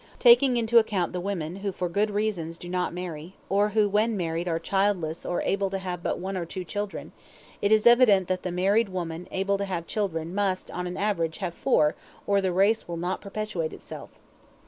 Taking into account the women who for good reasons do not marry, or who when married are childless or are able to have but one or two children, it is evident that the married woman able to have children must on an average have four or the race will not perpetuate itself.